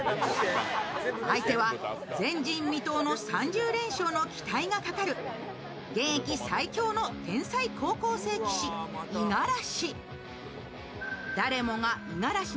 相手は前人未到の３０連勝の期待がかかる現役最強の天才高校生棋士五十嵐。